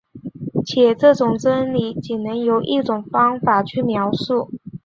且这种真理仅能由一种方法去描述。